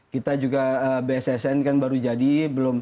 kita juga bssn kan baru jadi belum